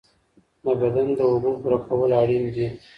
د بدن د اوبو پوره کول اړین دي.